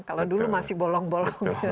kalau dulu masih bolong bolong